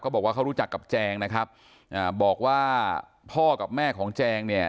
บอกว่าเขารู้จักกับแจงนะครับอ่าบอกว่าพ่อกับแม่ของแจงเนี่ย